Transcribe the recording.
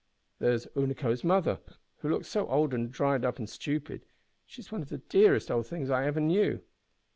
There is Unaco's mother, who looks so old and dried up and stupid she is one of the dearest old things I ever knew.